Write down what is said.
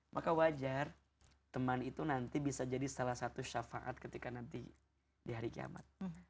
maka wajar teman itu nanti bisa jadi salah satu syafaat ketika nanti di hari kiamat